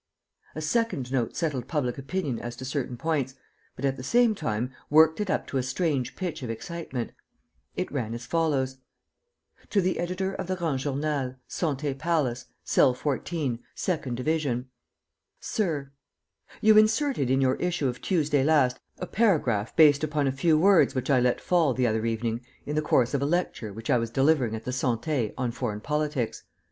A second note settled public opinion as to certain points, but, at the same time, worked it up to a strange pitch of excitement. It ran as follows: "To the Editor of the Grand Journal, "SANTÉ PALACE, "Cell 14, Second Division. "SIR, "You inserted in your issue of Tuesday last a paragraph based upon a few words which I let fall, the other evening, in the course of a lecture, which I was delivering at the Santé on foreign politics.